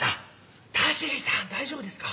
大丈夫ですか！